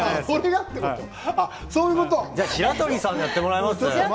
白鳥さんにやってもらいます？